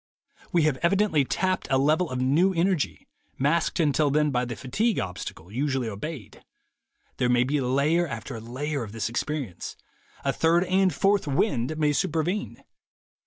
We have evidently tapped a level of new energy, masked until then by the fatigue obstacle usually obeyed. There may be layer after layer of this experience. A third and fourth 'wind' may supervene.